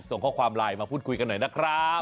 ส่งข้อความไลน์มาพูดคุยกันหน่อยนะครับ